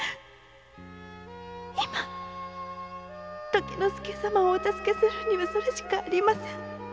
今時之介様をお助けするにはそれしかありません